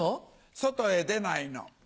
外へ出ないの。